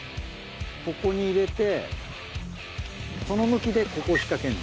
ここに入れてその向きでここを引っ掛けんの。